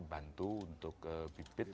bantu untuk bibit